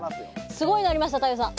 すごいのありました太陽さん。